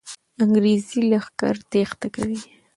انګریزي لښکر تېښته کوي.